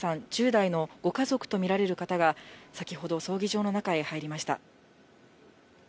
１０代のご家族と見られる方が、先ほど、葬儀場の中へ入りました。